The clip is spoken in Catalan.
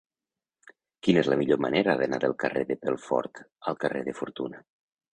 Quina és la millor manera d'anar del carrer de Pelfort al carrer de Fortuna?